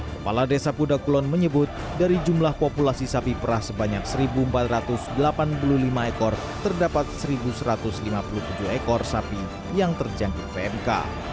kepala desa pudakulon menyebut dari jumlah populasi sapi perah sebanyak satu empat ratus delapan puluh lima ekor terdapat satu satu ratus lima puluh tujuh ekor sapi yang terjangkit pmk